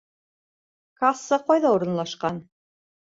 Касса ҡайҙа урынлашҡан?